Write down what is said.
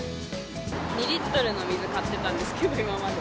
２リットルの水買ってたんですけど、今まで。